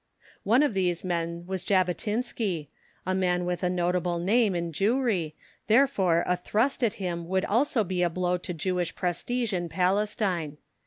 One of these men was Jabotinsky, a man with a notable name in Jewry, therefore a thrust at him would also be a blow to Jewish prestige in Palestine.